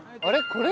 これ？